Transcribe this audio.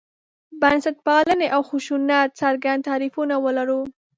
بنسټپالنې او خشونت څرګند تعریفونه ولرو.